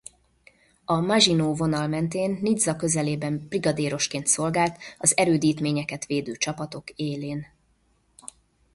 A Maginot-vonal mentén Nizza közelében brigadérosként szolgált az erődítményeket védő csapatok élén.